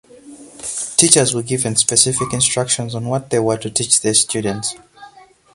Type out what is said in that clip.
Teachers were given specific instructions on what they were to teach their students.